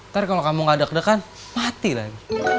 nanti kalau kamu enggak deg degan mati lah